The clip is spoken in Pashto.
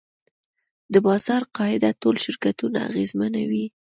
د بازار قاعدې ټول شرکتونه اغېزمنوي.